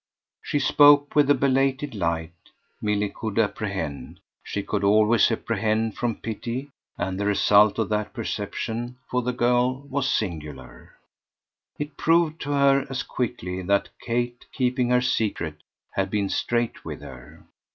She spoke, with a belated light, Milly could apprehend she could always apprehend from pity; and the result of that perception, for the girl, was singular: it proved to her as quickly that Kate, keeping her secret, had been straight with her.